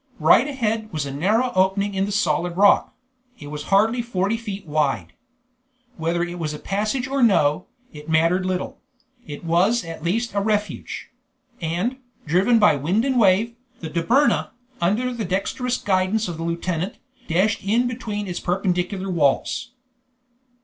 Right ahead was a narrow opening in the solid rock; it was hardly forty feet wide. Whether it was a passage or no, it mattered little; it was at least a refuge; and, driven by wind and wave, the Dobryna, under the dexterous guidance of the lieutenant, dashed in between its perpendicular walls.